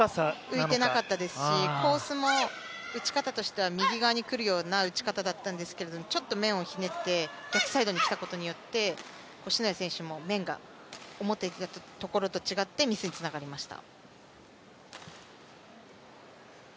浮いてなかったですしコースも打ち方としては右側に来るような打ち方だったんですけどちょっと面をひねって逆サイドにきたことによって篠谷選手も面が思ってたところと違ってミスにつながりました。